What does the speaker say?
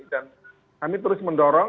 dan kami terus mendorong